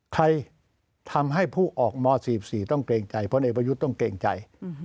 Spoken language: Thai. ทำให้ผู้ออกม๔๔ต้องเกรงใจพลเอกประยุทธ์ต้องเกรงใจ